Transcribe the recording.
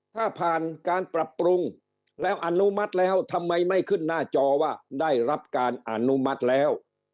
ถ้าผ่านการปรับปรุงแล้วอนุมัติแล้วทำไมไม่ขึ้นหน้าจอว่าได้รับการอนุมัติแล้ว